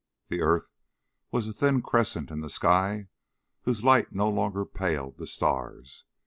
The earth was a thin crescent in the sky whose light no longer paled the stars.